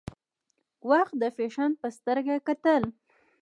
وخت د فیشن په سترګه کتل.